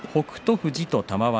富士と玉鷲。